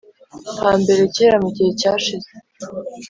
hambere: kera, mu gihe cyashize